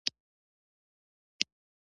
خلک ټول راضي وي.